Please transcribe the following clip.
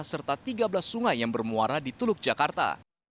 serta tiga belas sungai yang bermuara di teluk jakarta